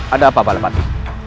ada apa bapak lepati